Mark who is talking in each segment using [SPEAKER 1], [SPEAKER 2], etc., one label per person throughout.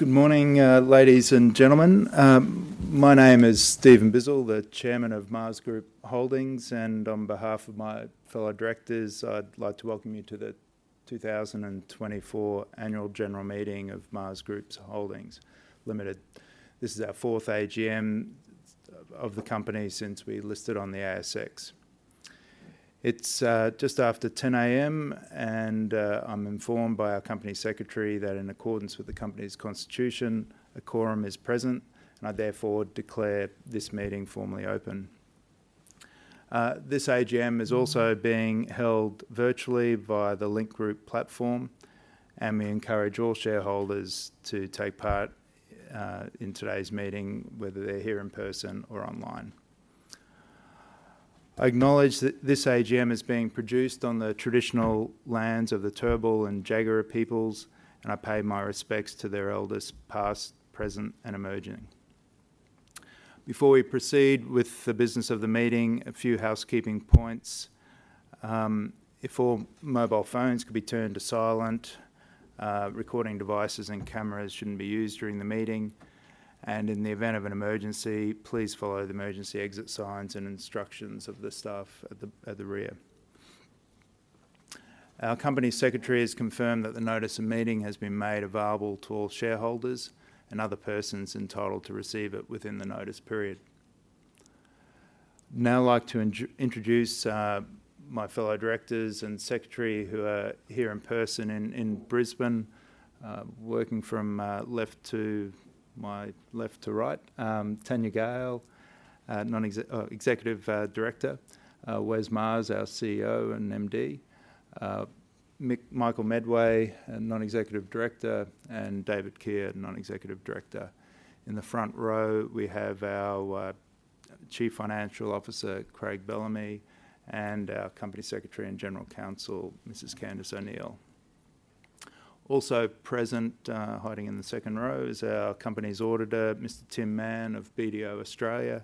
[SPEAKER 1] Good morning, ladies and gentlemen. My name is Stephen Bizzell, the Chairman of Maas Group Holdings, and on behalf of my fellow directors, I'd like to welcome you to the 2024 Annual General Meeting of Maas Group Holdings Limited. This is our fourth AGM of the company since we listed on the ASX. It's just after 10 A.M., and I'm informed by our company secretary that in accordance with the company's constitution, a quorum is present, and I therefore declare this meeting formally open. This AGM is also being held virtually via the Link Group platform, and we encourage all shareholders to take part in today's meeting, whether they're here in person or online. I acknowledge that this AGM is being produced on the traditional lands of the Turrbal and Jagera peoples, and I pay my respects to their elders, past, present, and emerging. Before we proceed with the business of the meeting, a few housekeeping points. If all mobile phones could be turned to silent, recording devices and cameras shouldn't be used during the meeting, and in the event of an emergency, please follow the emergency exit signs and instructions of the staff at the rear. Our company secretary has confirmed that the notice of meeting has been made available to all shareholders and other persons entitled to receive it within the notice period. Now I'd like to introduce my fellow directors and secretary who are here in person in Brisbane. Working from my left to right, Tanya Gale, Non-Executive Director Executive Director Wes Maas, our CEO and MD, Michael Medway, a Non-Executive Director, and David Keir, Non-Executive Director. In the front row, we have our Chief Financial Officer, Craig Bellamy, and our Company Secretary and General Counsel, Mrs. Candice O'Neill. Also present, hiding in the second row, is our company's auditor, Mr. Tim Mann of BDO Australia.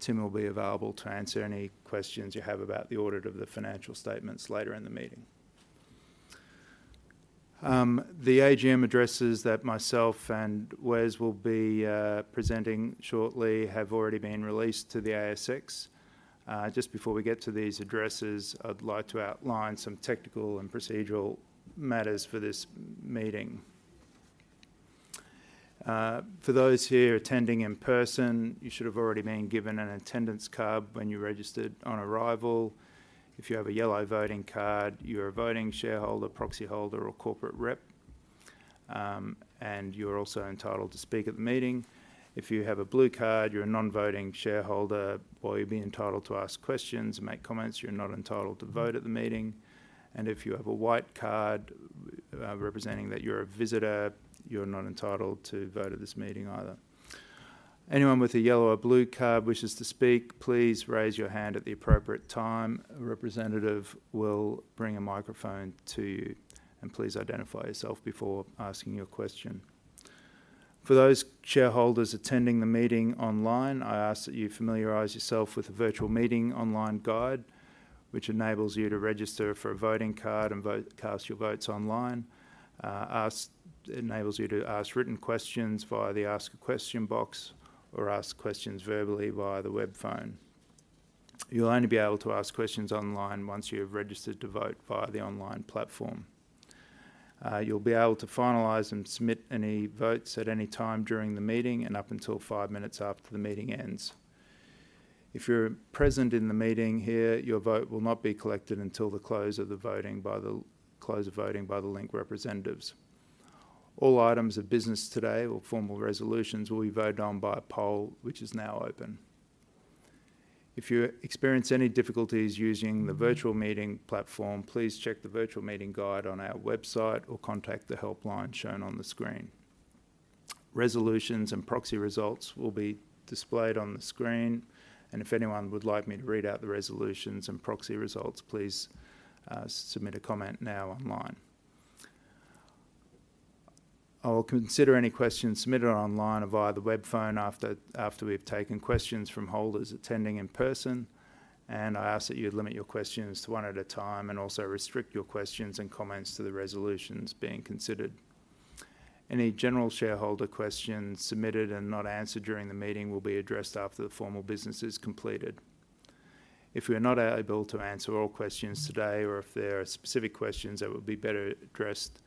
[SPEAKER 1] Tim will be available to answer any questions you have about the audit of the financial statements later in the meeting. The AGM addresses that myself and Wes will be presenting shortly have already been released to the ASX. Just before we get to these addresses, I'd like to outline some technical and procedural matters for this meeting. For those here attending in person, you should have already been given an attendance card when you registered on arrival. If you have a yellow voting card, you're a voting shareholder, proxy holder, or corporate rep, and you're also entitled to speak at the meeting. If you have a blue card, you're a non-voting shareholder. While you'll be entitled to ask questions and make comments, you're not entitled to vote at the meeting. And if you have a white card, representing that you're a visitor, you're not entitled to vote at this meeting either. Anyone with a yellow or blue card wishes to speak, please raise your hand at the appropriate time. A representative will bring a microphone to you, and please identify yourself before asking your question. For those shareholders attending the meeting online, I ask that you familiarize yourself with the virtual meeting online guide, which enables you to register for a voting card and vote, cast your votes online. Ask enables you to ask written questions via the Ask a Question box or ask questions verbally via the web phone. You'll only be able to ask questions online once you have registered to vote via the online platform. You'll be able to finalize and submit any votes at any time during the meeting and up until five minutes after the meeting ends. If you're present in the meeting here, your vote will not be collected until the close of voting by the Link representatives. All items of business today or formal resolutions will be voted on by a poll, which is now open. If you experience any difficulties using the virtual meeting platform, please check the virtual meeting guide on our website or contact the helpline shown on the screen. Resolutions and proxy results will be displayed on the screen, and if anyone would like me to read out the resolutions and proxy results, please, submit a comment now online. I will consider any questions submitted online or via the web phone after we've taken questions from holders attending in person, and I ask that you'd limit your questions to one at a time and also restrict your questions and comments to the resolutions being considered. Any general shareholder questions submitted and not answered during the meeting will be addressed after the formal business is completed. If we are not able to answer all questions today, or if there are specific questions that would be better addressed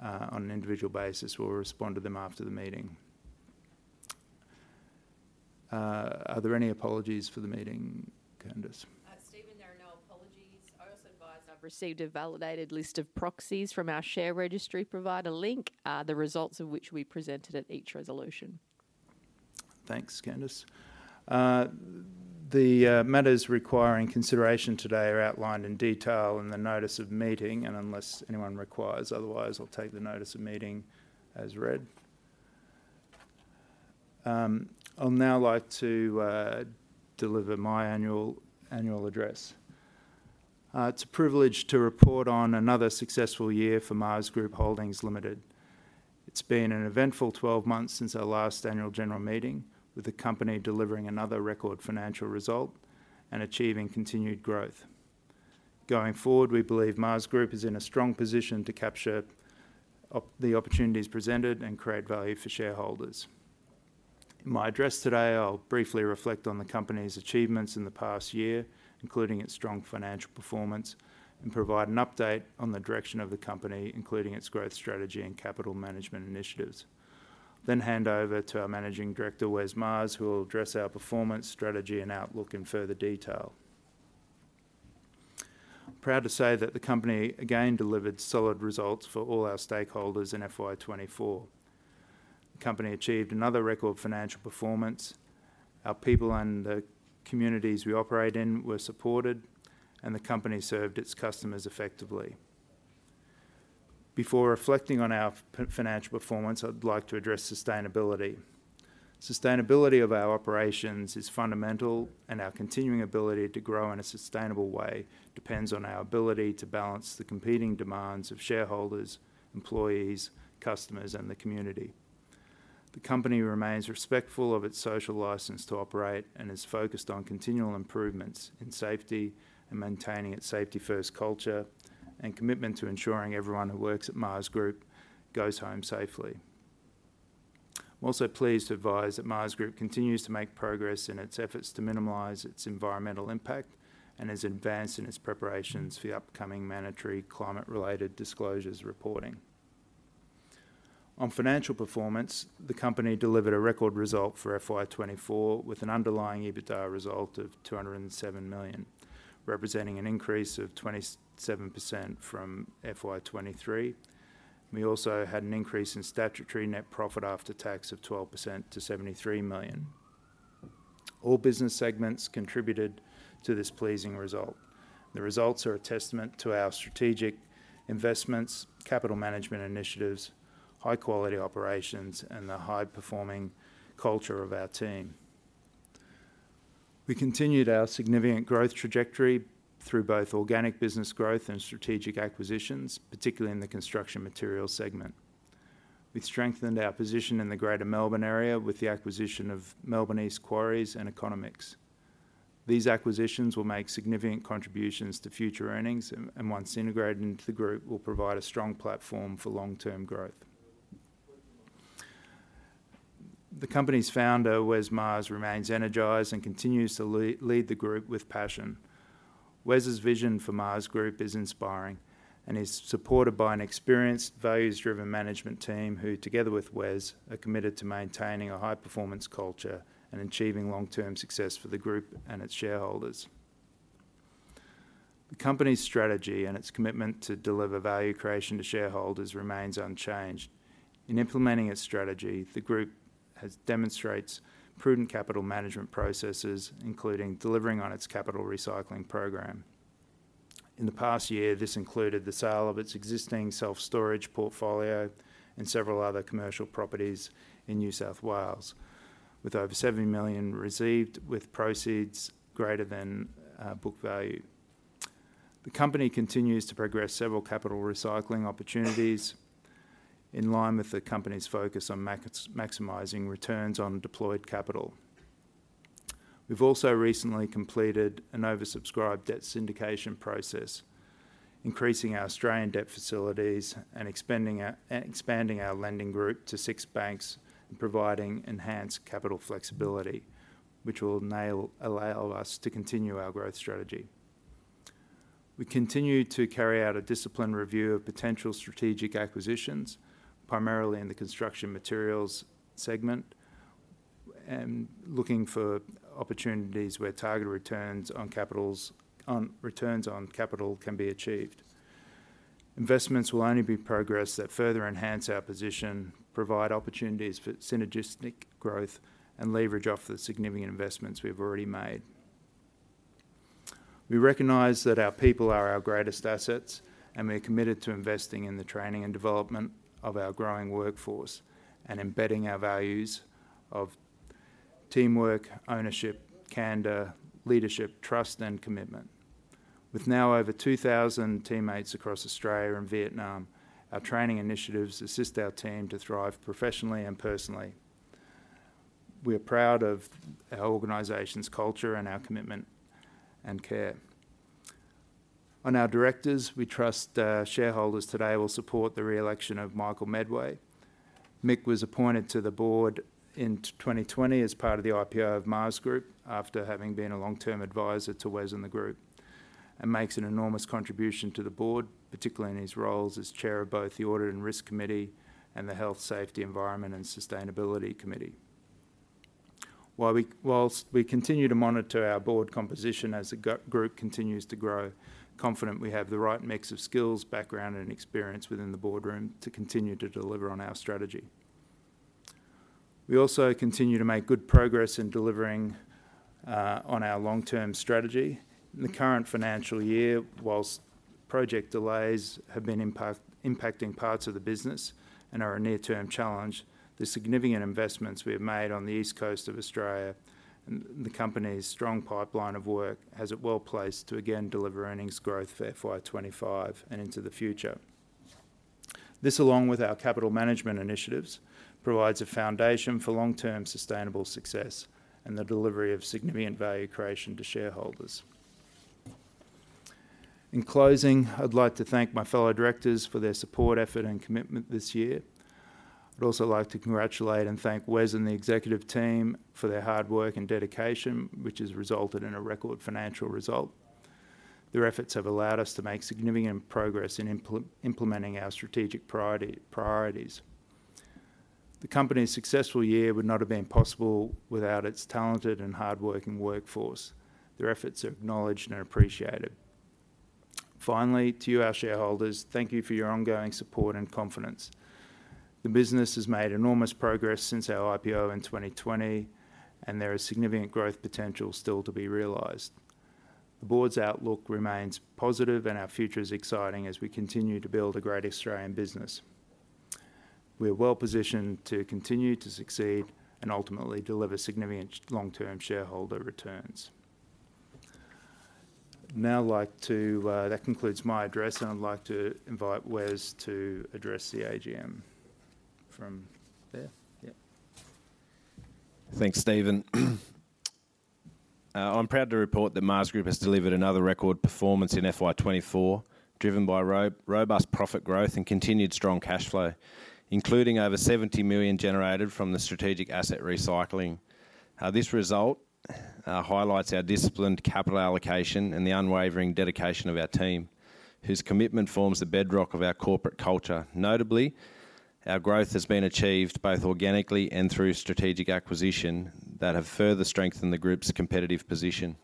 [SPEAKER 1] on an individual basis, we'll respond to them after the meeting. Are there any apologies for the meeting, Candice?
[SPEAKER 2] Stephen, there are no apologies. I also advise I've received a validated list of proxies from our share registry provider, Link, the results of which we presented at each resolution.
[SPEAKER 1] Thanks, Candice. The matters requiring consideration today are outlined in detail in the notice of meeting, and unless anyone requires otherwise, I'll take the notice of meeting as read. I'll now like to deliver my annual address. It's a privilege to report on another successful year for Maas Group Holdings Limited. It's been an eventful twelve months since our last annual general meeting, with the company delivering another record financial result and achieving continued growth.... Going forward, we believe Maas Group is in a strong position to capture the opportunities presented and create value for shareholders. In my address today, I'll briefly reflect on the company's achievements in the past year, including its strong financial performance, and provide an update on the direction of the company, including its growth strategy and capital management initiatives. Then hand over to our Managing Director, Wes Maas, who will address our performance, strategy, and outlook in further detail. I'm proud to say that the company again delivered solid results for all our stakeholders in FY twenty-four. The company achieved another record financial performance. Our people and the communities we operate in were supported, and the company served its customers effectively. Before reflecting on our financial performance, I'd like to address sustainability. Sustainability of our operations is fundamental, and our continuing ability to grow in a sustainable way depends on our ability to balance the competing demands of shareholders, employees, customers, and the community. The company remains respectful of its social license to operate and is focused on continual improvements in safety and maintaining its safety-first culture and commitment to ensuring everyone who works at Maas Group goes home safely. I'm also pleased to advise that Maas Group continues to make progress in its efforts to minimize its environmental impact and has advanced in its preparations for the upcoming mandatory climate-related disclosures reporting. On financial performance, the company delivered a record result for FY 2024, with an underlying EBITDA result of 207 million, representing an increase of 27% from FY 2023. We also had an increase in statutory net profit after tax of 12% to 73 million. All business segments contributed to this pleasing result. The results are a testament to our strategic investments, capital management initiatives, high-quality operations, and the high-performing culture of our team. We continued our significant growth trajectory through both organic business growth and strategic acquisitions, particularly in the construction materials segment. We've strengthened our position in the greater Melbourne area with the acquisition of Melbourne East Quarries and Economix. These acquisitions will make significant contributions to future earnings and once integrated into the group, will provide a strong platform for long-term growth. The company's founder, Wes Maas, remains energized and continues to lead the group with passion. Wes's vision for Maas Group is inspiring and is supported by an experienced, values-driven management team, who, together with Wes, are committed to maintaining a high-performance culture and achieving long-term success for the group and its shareholders. The company's strategy and its commitment to deliver value creation to shareholders remains unchanged. In implementing its strategy, the group has demonstrated prudent capital management processes, including delivering on its capital recycling program. In the past year, this included the sale of its existing self-storage portfolio and several other commercial properties in New South Wales, with over 70 million received, with proceeds greater than book value. The company continues to progress several capital recycling opportunities in line with the company's focus on maximizing returns on deployed capital. We've also recently completed an oversubscribed debt syndication process, increasing our Australian debt facilities and expanding our lending group to six banks and providing enhanced capital flexibility, which will allow us to continue our growth strategy. We continue to carry out a disciplined review of potential strategic acquisitions, primarily in the construction materials segment, and looking for opportunities where target returns on capital can be achieved. Investments will only be progressed that further enhance our position, provide opportunities for synergistic growth, and leverage off the significant investments we've already made. We recognize that our people are our greatest assets, and we're committed to investing in the training and development of our growing workforce and embedding our values of teamwork, ownership, candor, leadership, trust, and commitment. With now over two thousand teammates across Australia and Vietnam, our training initiatives assist our team to thrive professionally and personally. We are proud of our organization's culture and our commitment and care. On our directors, we trust shareholders today will support the re-election of Michael Medway. Mick was appointed to the board in 2020 as part of the IPO of Maas Group, after having been a long-term advisor to Wes and the group, and makes an enormous contribution to the board, particularly in his roles as chair of both the Audit and Risk Committee and the Health, Safety, Environment and Sustainability Committee. Whilst we continue to monitor our board composition as the group continues to grow, confident we have the right mix of skills, background, and experience within the boardroom to continue to deliver on our strategy. We also continue to make good progress in delivering on our long-term strategy. In the current financial year, whilst project delays have been impacting parts of the business and are a near-term challenge, the significant investments we have made on the east coast of Australia and the company's strong pipeline of work has it well-placed to again deliver earnings growth for FY 2025 and into the future. This, along with our capital management initiatives, provides a foundation for long-term sustainable success and the delivery of significant value creation to shareholders. In closing, I'd like to thank my fellow directors for their support, effort and commitment this year. I'd also like to congratulate and thank Wes and the executive team for their hard work and dedication, which has resulted in a record financial result. Their efforts have allowed us to make significant progress in implementing our strategic priorities. The company's successful year would not have been possible without its talented and hardworking workforce. Their efforts are acknowledged and appreciated. Finally, to you, our shareholders, thank you for your ongoing support and confidence. The business has made enormous progress since our IPO in 2020, and there is significant growth potential still to be realized. The board's outlook remains positive, and our future is exciting as we continue to build a great Australian business. We are well positioned to continue to succeed and ultimately deliver significant long-term shareholder returns. That concludes my address, and I'd like to invite Wes to address the AGM from there. Yeah.
[SPEAKER 3] Thanks, Stephen. I'm proud to report that Maas Group has delivered another record performance in FY 2024, driven by robust profit growth and continued strong cash flow, including over 70 million generated from the strategic asset recycling. This result highlights our disciplined capital allocation and the unwavering dedication of our team, whose commitment forms the bedrock of our corporate culture. Notably, our growth has been achieved both organically and through strategic acquisition that have further strengthened the group's competitive position.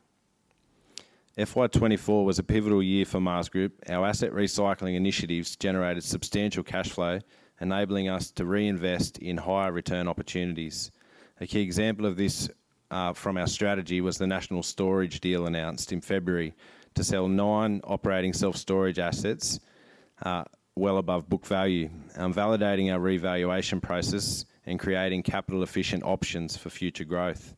[SPEAKER 3] FY 2024 was a pivotal year for Maas Group. Our asset recycling initiatives generated substantial cash flow, enabling us to reinvest in higher return opportunities. A key example of this from our strategy was the National Storage deal announced in February to sell nine operating self-storage assets well above book value, validating our revaluation process and creating capital-efficient options for future growth.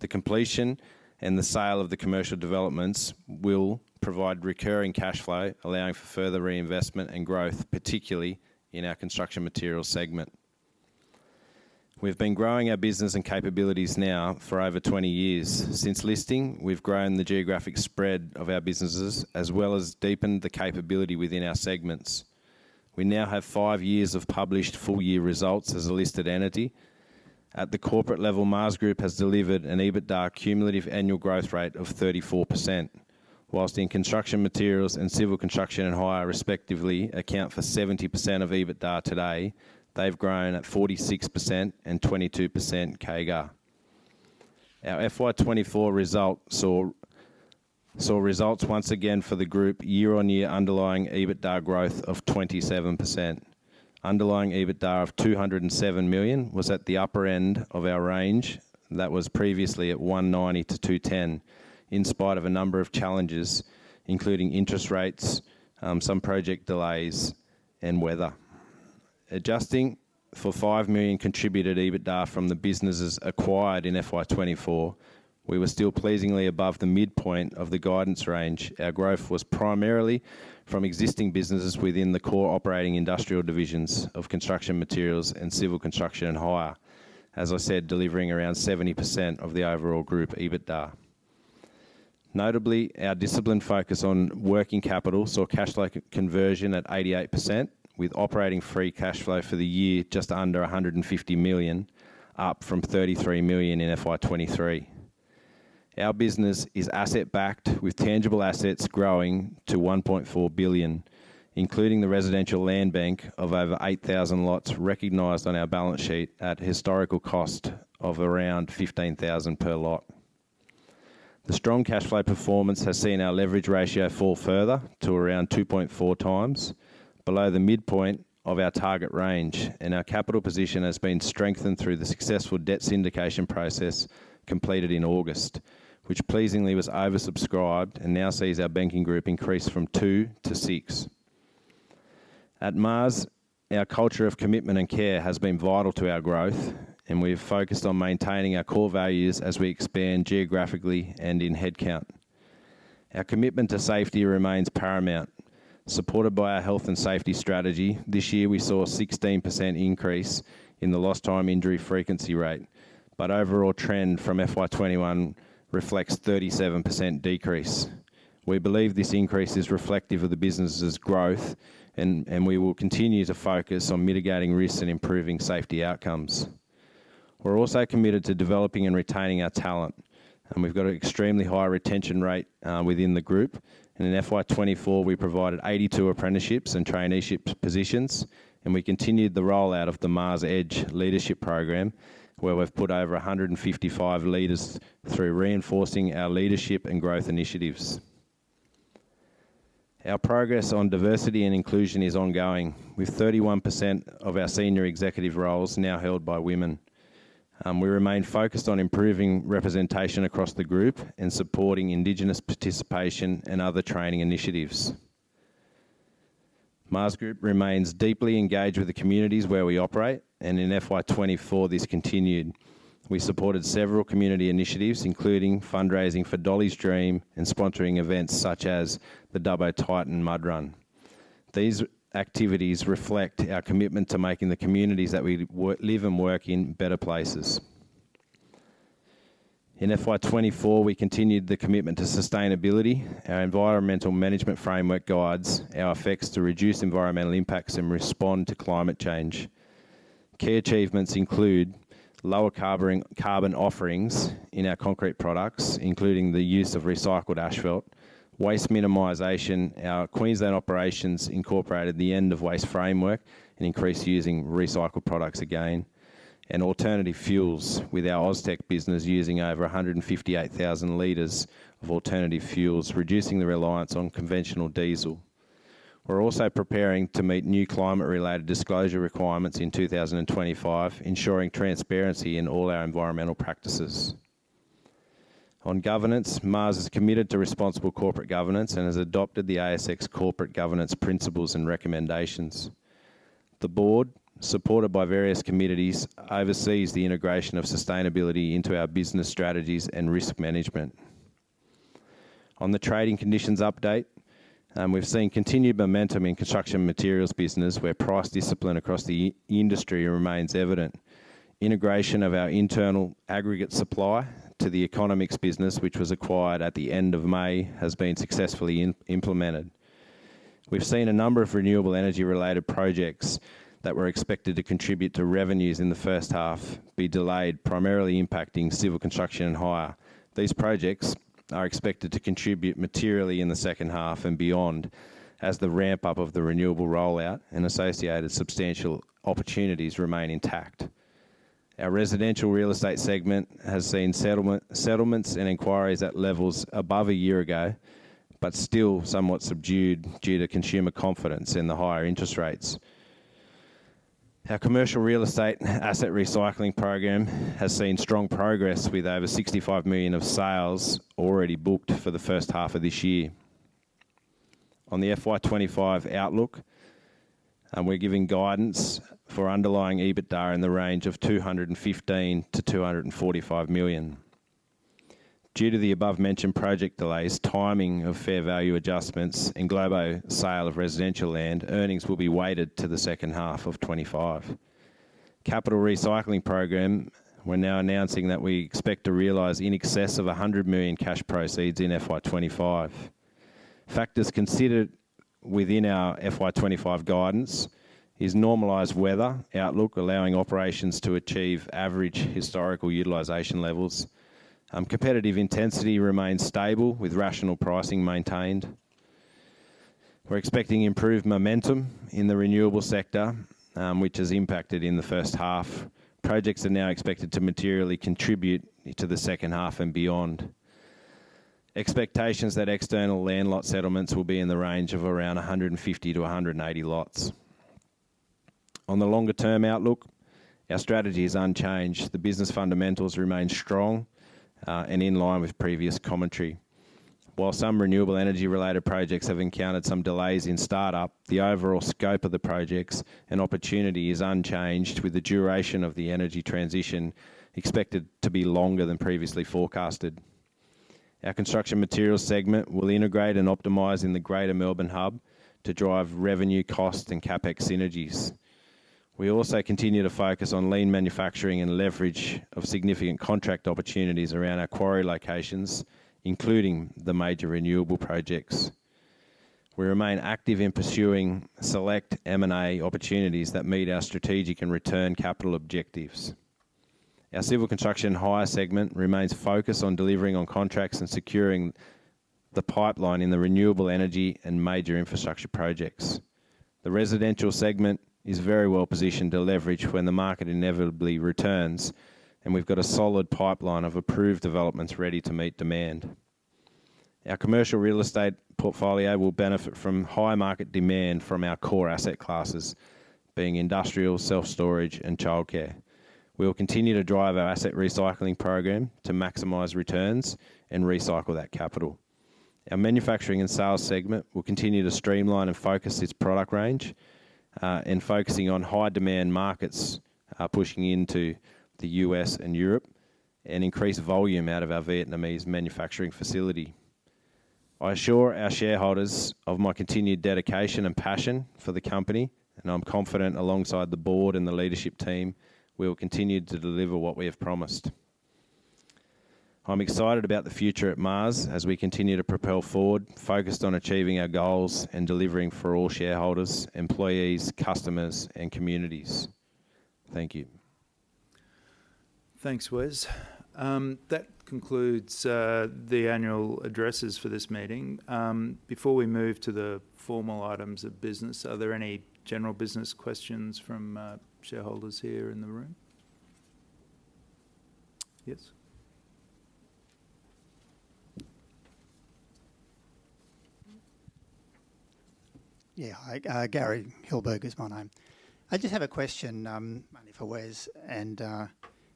[SPEAKER 3] The completion and the sale of the commercial developments will provide recurring cash flow, allowing for further reinvestment and growth, particularly in our construction materials segment. We've been growing our business and capabilities now for over twenty years. Since listing, we've grown the geographic spread of our businesses, as well as deepened the capability within our segments. We now have five years of published full-year results as a listed entity. At the corporate level, Maas Group has delivered an EBITDA cumulative annual growth rate of 34%, whilst in construction materials and civil construction and hire, respectively, account for 70% of EBITDA today, they've grown at 46% and 22% CAGR. Our FY 2024 result saw results once again for the group year-on-year underlying EBITDA growth of 27%. Underlying EBITDA of 207 million was at the upper end of our range. That was previously at 190 to 210, in spite of a number of challenges, including interest rates, some project delays, and weather. Adjusting for five million contributed EBITDA from the businesses acquired in FY 2024, we were still pleasingly above the midpoint of the guidance range. Our growth was primarily from existing businesses within the core operating industrial divisions of construction materials and civil construction and hire. As I said, delivering around 70% of the overall group EBITDA. Notably, our disciplined focus on working capital saw cash flow conversion at 88%, with operating free cash flow for the year just under 150 million, up from 33 million in FY 2023. Our business is asset backed, with tangible assets growing to 1.4 billion, including the residential land bank of over 8,000 lots recognized on our balance sheet at historical cost of around 15,000 per lot. The strong cash flow performance has seen our leverage ratio fall further to around 2.4x, below the midpoint of our target range, and our capital position has been strengthened through the successful debt syndication process completed in August, which pleasingly was oversubscribed and now sees our banking group increase from two to six. At Maas, our culture of commitment and care has been vital to our growth, and we've focused on maintaining our core values as we expand geographically and in headcount. Our commitment to safety remains paramount. Supported by our health and safety strategy, this year we saw a 16% increase in the lost time injury frequency rate, but overall trend from FY 2021 reflects 37% decrease. We believe this increase is reflective of the business's growth, and we will continue to focus on mitigating risks and improving safety outcomes. We're also committed to developing and retaining our talent, and we've got an extremely high retention rate within the group. In FY 2024, we provided 82 apprenticeships and traineeship positions, and we continued the rollout of the Maas Edge leadership program, where we've put over 155 leaders through reinforcing our leadership and growth initiatives. Our progress on diversity and inclusion is ongoing, with 31% of our senior executive roles now held by women. We remain focused on improving representation across the group and supporting indigenous participation and other training initiatives. Maas Group remains deeply engaged with the communities where we operate, and in FY 2024, this continued. We supported several community initiatives, including fundraising for Dolly's Dream and sponsoring events such as the Dubbo Titan Mud Run. These activities reflect our commitment to making the communities that we live and work in better places. In FY 2024, we continued the commitment to sustainability. Our environmental management framework guides our efforts to reduce environmental impacts and respond to climate change. Key achievements include lower carbon offerings in our concrete products, including the use of recycled asphalt, waste minimization. Our Queensland operations incorporated the end-of-waste framework and increased using recycled products again, and alternative fuels, with our Austek business using over 158,000 liters of alternative fuels, reducing the reliance on conventional diesel. We're also preparing to meet new climate-related disclosure requirements in 2025, ensuring transparency in all our environmental practices. On governance, Maas is committed to responsible corporate governance and has adopted the ASX corporate governance principles and recommendations. The board, supported by various committees, oversees the integration of sustainability into our business strategies and risk management. On the trading conditions update, we've seen continued momentum in construction materials business, where price discipline across the industry remains evident. Integration of our internal aggregate supply to the Economix business, which was acquired at the end of May, has been successfully implemented. We've seen a number of renewable energy-related projects that were expected to contribute to revenues in the first half be delayed, primarily impacting civil construction and hire. These projects are expected to contribute materially in the second half and beyond, as the ramp-up of the renewable rollout and associated substantial opportunities remain intact. Our residential real estate segment has seen settlement, settlements and inquiries at levels above a year ago, but still somewhat subdued due to consumer confidence and the higher interest rates. Our commercial real estate asset recycling program has seen strong progress, with over 65 million of sales already booked for the first half of this year. On the FY 2025 outlook, we're giving guidance for underlying EBITDA in the range of 215 million to 245 million. Due to the above-mentioned project delays, timing of fair value adjustments, and global sale of residential land, earnings will be weighted to the second half of 2025. Capital recycling program, we're now announcing that we expect to realize in excess of 100 million cash proceeds in FY 2025. Factors considered within our FY 2025 guidance is normalized weather outlook, allowing operations to achieve average historical utilization levels. Competitive intensity remains stable, with rational pricing maintained. We're expecting improved momentum in the renewable sector, which is impacted in the first half. Projects are now expected to materially contribute to the second half and beyond. Expectations that external land lot settlements will be in the range of around 150 to 180 lots. On the longer-term outlook, our strategy is unchanged. The business fundamentals remain strong, and in line with previous commentary. While some renewable energy-related projects have encountered some delays in start-up, the overall scope of the projects and opportunity is unchanged, with the duration of the energy transition expected to be longer than previously forecasted. Our construction materials segment will integrate and optimize in the greater Melbourne hub to drive revenue, cost, and CapEx synergies. We also continue to focus on lean manufacturing and leverage of significant contract opportunities around our quarry locations, including the major renewable projects. We remain active in pursuing select M&A opportunities that meet our strategic and return capital objectives. Our civil construction hire segment remains focused on delivering on contracts and securing the pipeline in the renewable energy and major infrastructure projects. The residential segment is very well positioned to leverage when the market inevitably returns, and we've got a solid pipeline of approved developments ready to meet demand. Our commercial real estate portfolio will benefit from high market demand from our core asset classes, being industrial, self-storage, and childcare. We will continue to drive our asset recycling program to maximize returns and recycle that capital. Our manufacturing and sales segment will continue to streamline and focus its product range, and focusing on high-demand markets, pushing into the U.S. and Europe, and increase volume out of our Vietnamese manufacturing facility. I assure our shareholders of my continued dedication and passion for the company, and I'm confident, alongside the board and the leadership team, we will continue to deliver what we have promised. I'm excited about the future at Maas as we continue to propel forward, focused on achieving our goals and delivering for all shareholders, employees, customers, and communities. Thank you.
[SPEAKER 1] Thanks, Wes. That concludes the annual addresses for this meeting. Before we move to the formal items of business, are there any general business questions from shareholders here in the room? Yes.
[SPEAKER 4] Yeah. Hi, Gary Hilberg is my name. I just have a question, maybe for Wes, and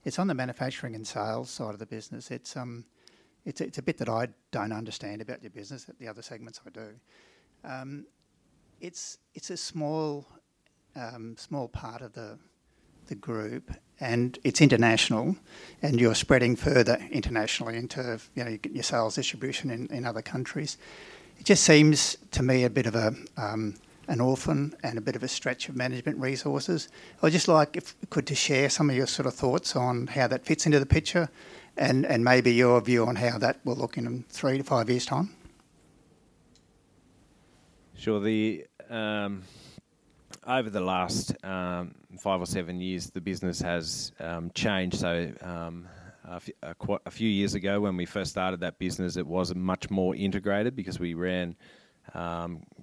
[SPEAKER 4] it's on the manufacturing and sales side of the business. It's a bit that I don't understand about your business, but the other segments I do. It's a small part of the group, and it's international, and you're spreading further internationally into, you know, your sales distribution in other countries. It just seems, to me, a bit of a, an orphan and a bit of a stretch of management resources. I'd just like, if you could, to share some of your sort of thoughts on how that fits into the picture and maybe your view on how that will look in three to five years' time?...
[SPEAKER 3] Sure, the over the last five or seven years, the business has changed. So, a few years ago, when we first started that business, it was much more integrated because we ran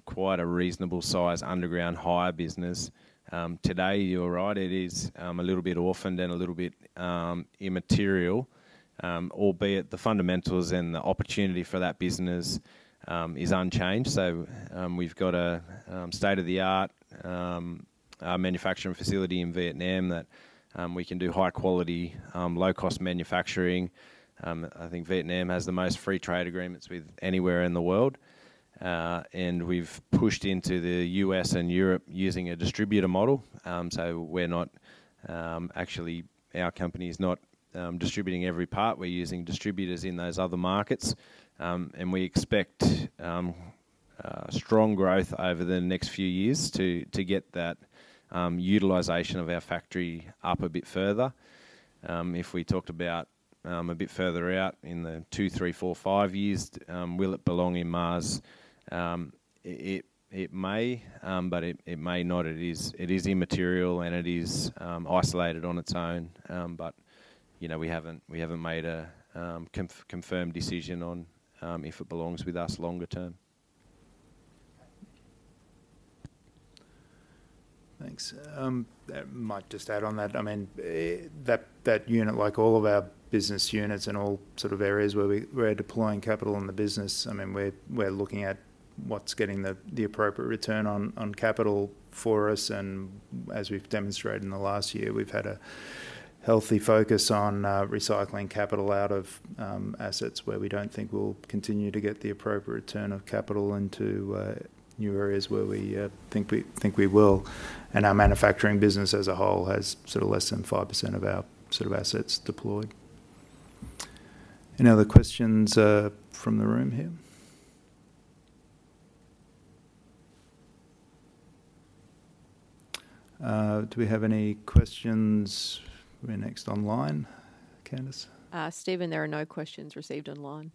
[SPEAKER 3] quite a reasonable size underground hire business. Today, you're right, it is a little bit orphaned and a little bit immaterial, albeit the fundamentals and the opportunity for that business is unchanged. So, we've got a state-of-the-art manufacturing facility in Vietnam that we can do high quality, low-cost manufacturing. I think Vietnam has the most free trade agreements with anywhere in the world. And we've pushed into the U.S. and Europe using a distributor model. So we're not... Actually, our company is not distributing every part. We're using distributors in those other markets, and we expect strong growth over the next few years to get that utilization of our factory up a bit further. If we talked about a bit further out in the two, three, four, five years, will it belong in Maas? It may, but it may not. It is immaterial, and it is isolated on its own. But you know, we haven't made a confirmed decision on if it belongs with us longer term.
[SPEAKER 1] Thanks. I might just add on that, I mean, that unit, like all of our business units and all sort of areas where we're deploying capital in the business, I mean, we're looking at what's getting the appropriate return on capital for us, and as we've demonstrated in the last year, we've had a healthy focus on recycling capital out of assets where we don't think we'll continue to get the appropriate return of capital into new areas where we think we will. And our manufacturing business as a whole has sort of less than 5% of our sort of assets deployed. Any other questions from the room here? Do we have any questions maybe next online, Candice?
[SPEAKER 2] Stephen, there are no questions received online.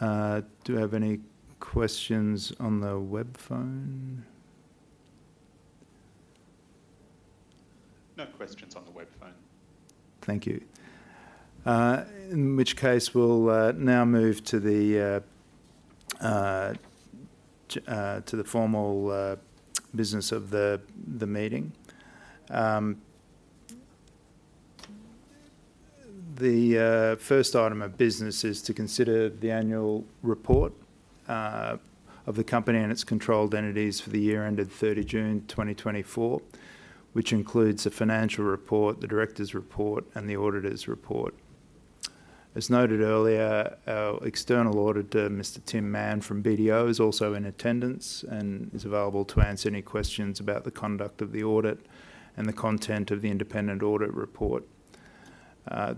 [SPEAKER 1] Do I have any questions on the web phone?
[SPEAKER 5] No questions on the web phone.
[SPEAKER 1] Thank you. In which case, we'll now move to the formal business of the meeting. The first item of business is to consider the annual report of the company and its controlled entities for the year ended thirty June 2024, which includes a financial report, the directors' report, and the auditors' report. As noted earlier, our external auditor, Mr Tim Mann from BDO, is also in attendance and is available to answer any questions about the conduct of the audit and the content of the independent audit report.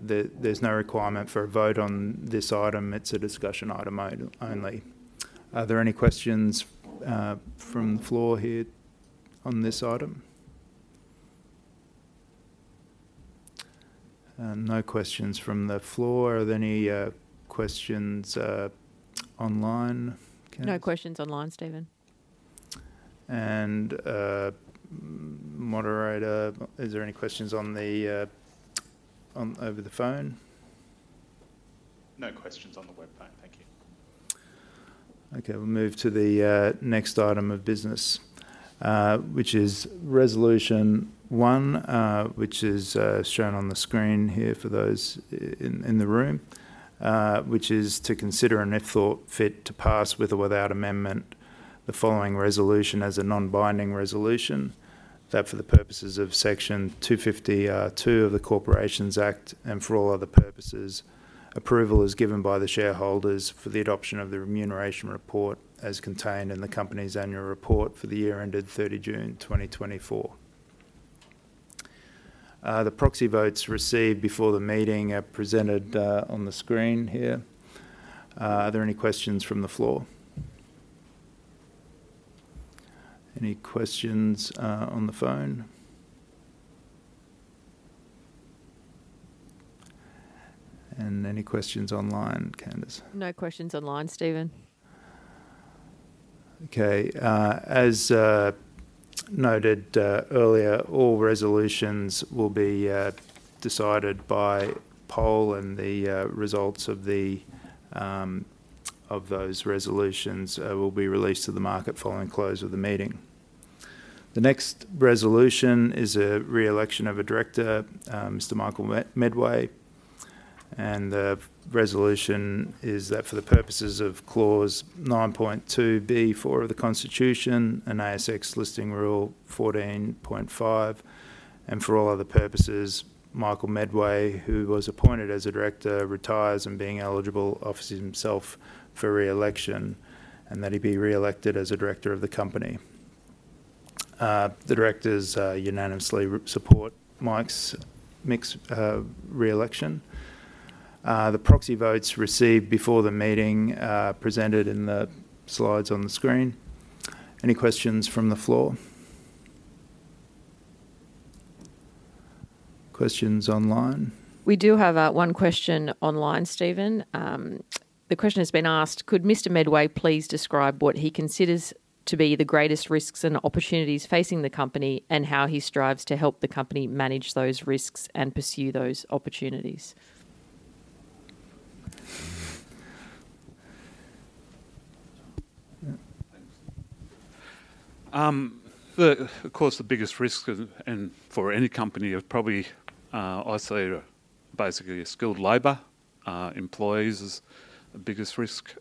[SPEAKER 1] There's no requirement for a vote on this item. It's a discussion item only. Are there any questions from the floor here on this item? No questions from the floor. Are there any questions online, Candice?
[SPEAKER 2] No questions online, Stephen.
[SPEAKER 1] And, moderator, is there any questions on the over the phone?
[SPEAKER 5] No questions on the web phone. Thank you.
[SPEAKER 1] Okay, we'll move to the next item of business, which is resolution one, which is shown on the screen here for those in the room. Which is to consider and, if thought fit, to pass with or without amendment the following resolution as a non-binding resolution that for the purposes of Section 252 of the Corporations Act, and for all other purposes, approval is given by the shareholders for the adoption of the remuneration report as contained in the company's annual report for the year ended thirty June 2024. The proxy votes received before the meeting are presented on the screen here. Are there any questions from the floor? Any questions on the phone? And any questions online, Candice?
[SPEAKER 2] No questions online, Stephen.
[SPEAKER 1] Okay, as noted earlier, all resolutions will be decided by poll, and the results of those resolutions will be released to the market following close of the meeting. The next resolution is a re-election of a director, Mr Michael Medway, and the resolution is that for the purposes of Clause 9.2B4 of the Constitution and ASX Listing Rule 14.5, and for all other purposes, Michael Medway, who was appointed as a director, retires and, being eligible, offers himself for re-election, and that he be re-elected as a director of the company. The directors unanimously support Mick's re-election. The proxy votes received before the meeting are presented in the slides on the screen. Any questions from the floor? Questions online?
[SPEAKER 2] We do have one question online, Stephen. The question has been asked: Could Mr. Medway please describe what he considers to be the greatest risks and opportunities facing the company, and how he strives to help the company manage those risks and pursue those opportunities?
[SPEAKER 6] Yeah, thanks. Of course, the biggest risk for any company is probably, I say, basically, skilled labor. Employees is the biggest risk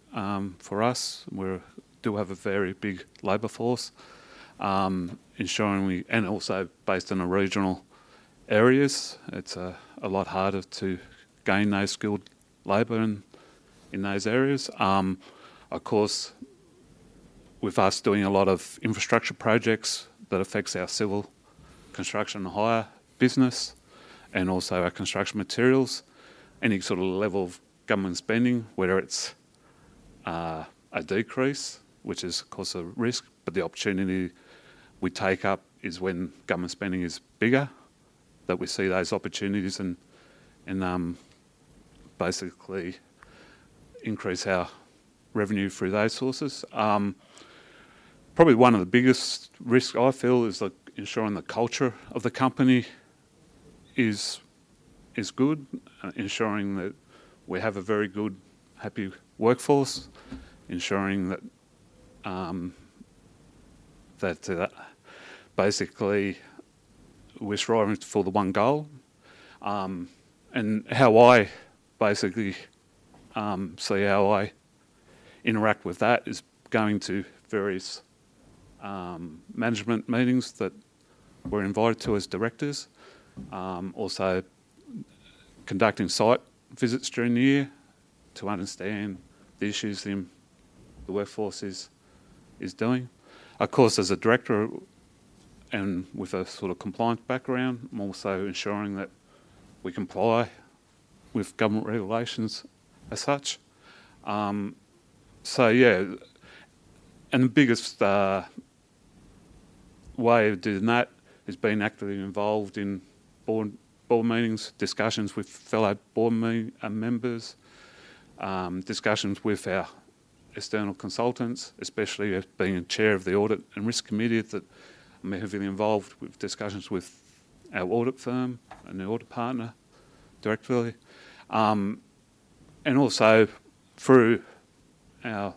[SPEAKER 6] for us. We do have a very big labor force. Ensuring we and also based in the regional areas, it's a lot harder to gain those skilled labor in those areas. Of course, with us doing a lot of infrastructure projects, that affects our civil construction and hire business, and also our construction materials. Any sort of level of government spending, whether it's a decrease, which is of course a risk, but the opportunity we take up is when government spending is bigger, that we see those opportunities and basically increase our revenue through those sources. Probably one of the biggest risks I feel is, like, ensuring the culture of the company is good, ensuring that we have a very good, happy workforce, ensuring that that basically we're striving for the one goal, and how I basically see how I interact with that is going to various management meetings that we're invited to as directors. Also conducting site visits during the year to understand the issues the workforce is doing. Of course, as a director, and with a sort of compliance background, I'm also ensuring that we comply with government regulations as such. So yeah, and the biggest way of doing that is being actively involved in board meetings, discussions with fellow board members, discussions with our external consultants, especially being a Chair of the Audit and Risk Committee, that I have been involved with discussions with our audit firm and the audit partner directly. And also through our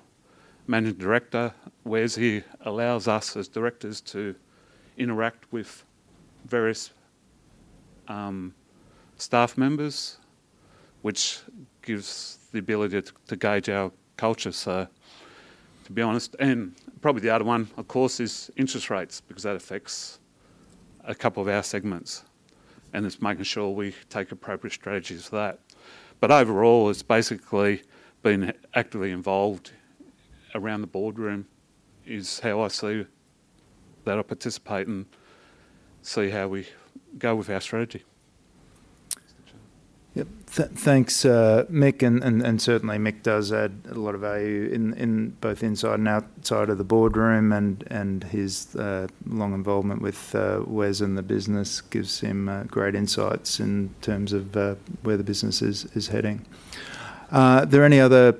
[SPEAKER 6] Managing Director, where he allows us as directors to interact with various staff members, which gives the ability to gauge our culture, so to be honest. And probably the other one, of course, is interest rates, because that affects a couple of our segments, and it's making sure we take appropriate strategies for that. But overall, it's basically being actively involved around the boardroom is how I see that I participate and see how we go with our strategy.
[SPEAKER 1] Yep. Thanks, Mick, and certainly Mick does add a lot of value in both inside and outside of the boardroom, and his long involvement with Wes and the business gives him great insights in terms of where the business is heading. Are there any other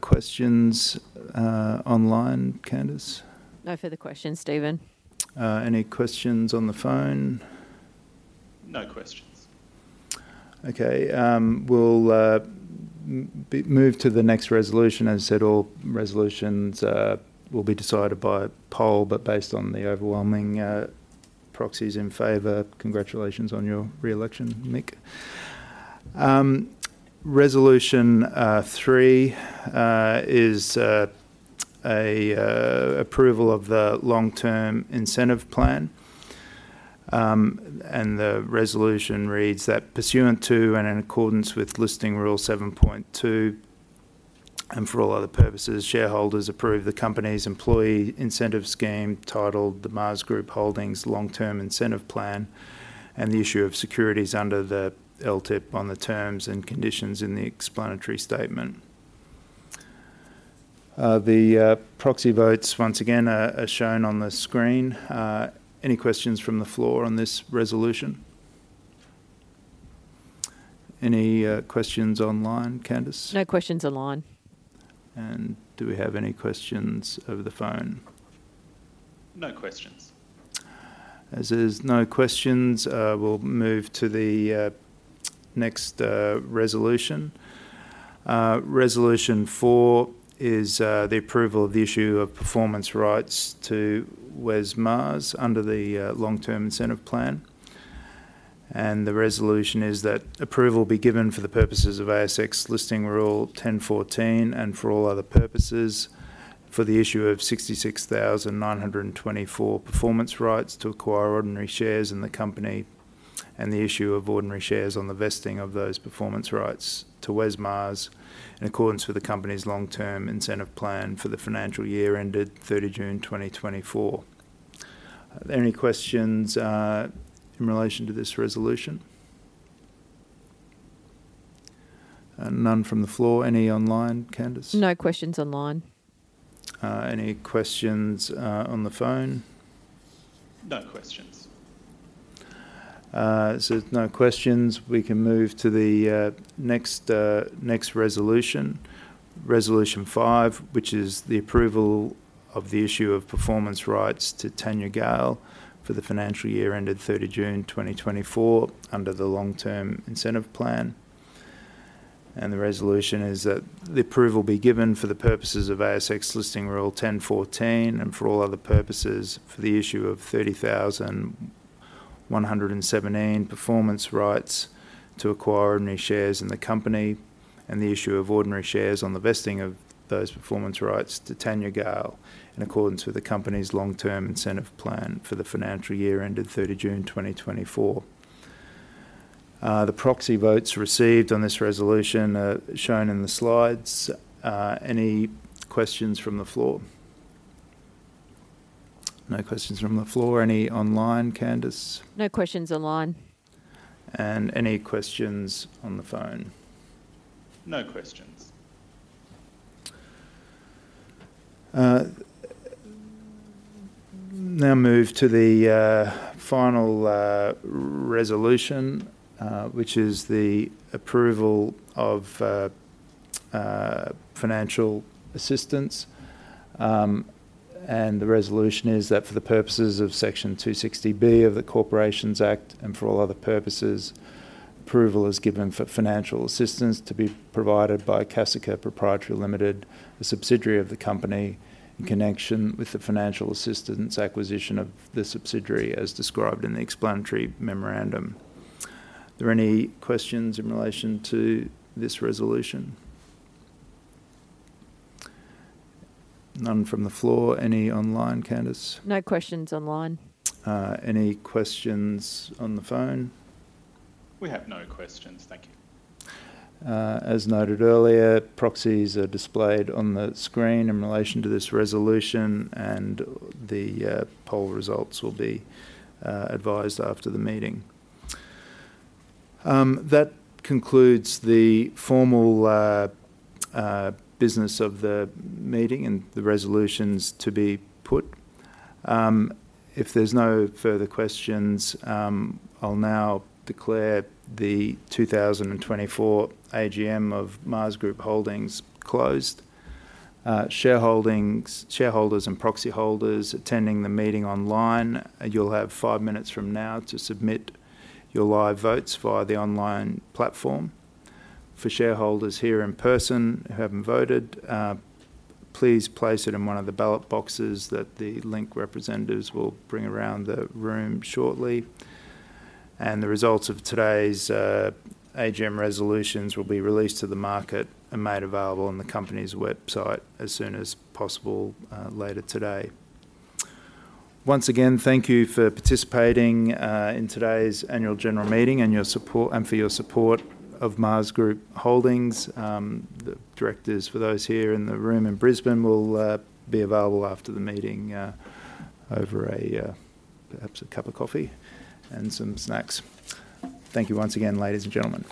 [SPEAKER 1] questions online, Candice?
[SPEAKER 2] No further questions, Stephen.
[SPEAKER 1] Any questions on the phone?
[SPEAKER 5] No questions.
[SPEAKER 1] Okay, we'll move to the next resolution. As I said, all resolutions will be decided by a poll, but based on the overwhelming proxies in favor, congratulations on your re-election, Mick. Resolution three is an approval of the long-term incentive plan, and the resolution reads that: Pursuant to and in accordance with Listing Rule 7.2, and for all other purposes, shareholders approve the company's employee incentive scheme titled the Maas Group Holdings Long-Term Incentive Plan, and the issue of securities under the LTIP on the terms and conditions in the explanatory statement. The proxy votes once again are shown on the screen. Any questions from the floor on this resolution? Any questions online, Candice?
[SPEAKER 2] No questions online.
[SPEAKER 1] Do we have any questions over the phone?
[SPEAKER 5] No questions.
[SPEAKER 1] As there's no questions, we'll move to the next resolution. Resolution four is the approval of the issue of performance rights to Wes Maas under the Long-Term Incentive Plan, and the resolution is that approval be given for the purposes of ASX Listing Rule 10.14, and for all other purposes, for the issue of 66900 and 2024 performance rights to acquire ordinary shares in the company, and the issue of ordinary shares on the vesting of those performance rights to Wes Maas, in accordance with the company's long-term incentive plan for the financial year ended thirty June 2024. Are there any questions in relation to this resolution? None from the floor. Any online, Candice?
[SPEAKER 2] No questions online.
[SPEAKER 1] Any questions on the phone?
[SPEAKER 5] No questions.
[SPEAKER 1] So if no questions, we can move to the next resolution, Resolution Five, which is the approval of the issue of performance rights to Tanya Gale for the financial year ended thirty June 2024, under the Long-Term Incentive Plan. And the resolution is that the approval be given for the purposes of ASX Listing Rule 10.14, and for all other purposes, for the issue of thirty thousand one hundred and seventeen performance rights to acquire any shares in the company, and the issue of ordinary shares on the vesting of those performance rights to Tanya Gale, in accordance with the company's long-term incentive plan for the financial year ended thirty June 2024. The proxy votes received on this resolution are shown in the slides. Any questions from the floor? No questions from the floor. Any online, Candice?
[SPEAKER 2] No questions online.
[SPEAKER 1] Any questions on the phone?
[SPEAKER 5] No questions.
[SPEAKER 1] Now move to the final resolution, which is the approval of financial assistance. And the resolution is that for the purposes of Section 260B of the Corporations Act, and for all other purposes, approval is given for financial assistance to be provided by Kazaca Proprietary Limited, a subsidiary of the company, in connection with the financial assistance acquisition of the subsidiary, as described in the explanatory memorandum. Are there any questions in relation to this resolution? None from the floor. Any online, Candice?
[SPEAKER 2] No questions online.
[SPEAKER 1] Any questions on the phone?
[SPEAKER 5] We have no questions. Thank you.
[SPEAKER 1] As noted earlier, proxies are displayed on the screen in relation to this resolution, and the poll results will be advised after the meeting. That concludes the formal business of the meeting and the resolutions to be put. If there's no further questions, I'll now declare the two thousand and twenty-four AGM of Maas Group Holdings closed. Shareholders and proxy holders attending the meeting online, you'll have five minutes from now to submit your live votes via the online platform. For shareholders here in person who haven't voted, please place it in one of the ballot boxes that the Link representatives will bring around the room shortly. And the results of today's AGM resolutions will be released to the market and made available on the company's website as soon as possible later today. Once again, thank you for participating in today's annual general meeting, and for your support of Maas Group Holdings. The directors, for those here in the room in Brisbane, will be available after the meeting over perhaps a cup of coffee and some snacks. Thank you once again, ladies and gentlemen.